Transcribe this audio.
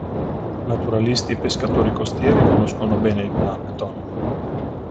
Naturalisti e pescatori costieri conoscono bene il plankton.